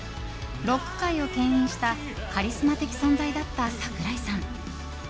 ロック界を牽引したカリスマ的存在だった櫻井さん。